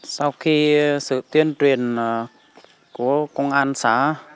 sau khi sự tuyên truyền của công an xã